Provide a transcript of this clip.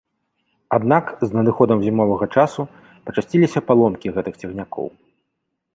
Аднак, з надыходам зімовага часу пачасціліся паломкі гэтых цягнікоў.